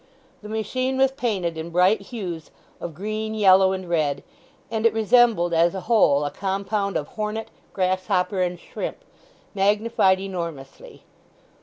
The machine was painted in bright hues of green, yellow, and red, and it resembled as a whole a compound of hornet, grasshopper, and shrimp, magnified enormously.